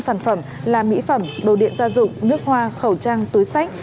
sản phẩm là mỹ phẩm đồ điện gia dụng nước hoa khẩu trang túi sách